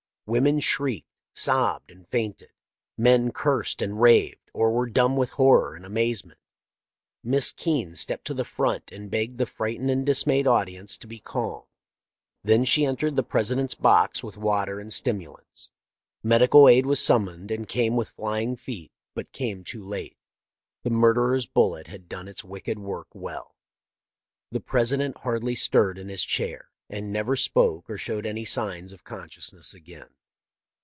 Women shrieked, sobbed, and fainted. Men cursed and raved, or were dumb with horror and amaze ment. Miss Keene stepped to the front and begged the frightened and dismayed audience to be calm. Then she entered the President's box with water and stimulants. Medical aid was summoned and came with flying feet, but came too late. The murderer's bullet had done its wicked work well. The President hardly stirred in his chair, and never spoke or showed any signs of consciousness again.